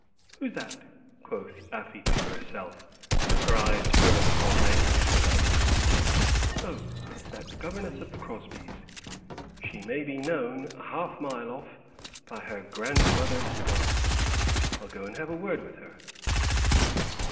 "Who's that?" quoth Afy to herself, her eyes falling upon Lady Isabel. "Oh, it's that governess of the Crosby's. She may be known, a half a mile off, by her grandmother's bonnet. I'll go and have a chat with her."